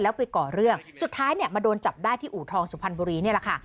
แล้วไปก่อเรื่องสุดท้ายเนี่ยมาโดนจับได้ที่อู่ทองสุพรรณบุรีนี่แหละค่ะ